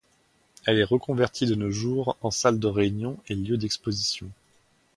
Elle est reconvertie de nos jours en salle de réunions et lieu d’expositions.